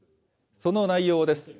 その内容です。